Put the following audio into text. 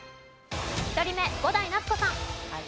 １人目伍代夏子さん。